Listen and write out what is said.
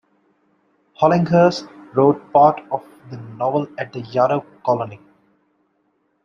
Hollinghurst wrote part of the novel at the Yaddo colony.